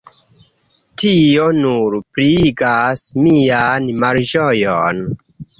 Tio nur pliigas mian malĝojon.